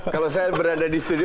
kalau saya berada di studio